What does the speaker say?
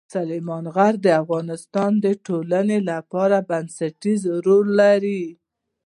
سلیمان غر د افغانستان د ټولنې لپاره بنسټيز رول لري.